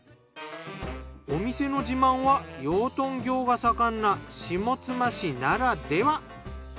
お店の自慢は養豚業が盛んな下妻市ならでは。